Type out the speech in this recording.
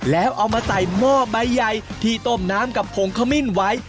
แล้วเอามาใส่หม้อใบใหญ่ที่ต้มน้ำกับผงขมิ้นไว้